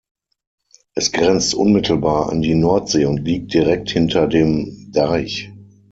Es grenzt unmittelbar an die Nordsee und liegt direkt hinter dem Deich.